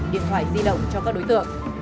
điện thoại di động cho các đối tượng